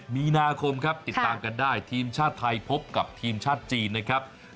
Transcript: มีนาคมครับติดตามกันได้ทีมชาติไทยพบกับทีมชาติจีนนะครับ